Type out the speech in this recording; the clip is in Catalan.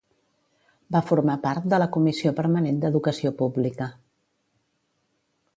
Va formar part de la comissió permanent d'Educació pública.